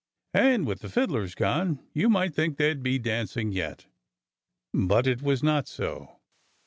And with the fiddlers gone, you might think they'd be dancing yet. But it was not so.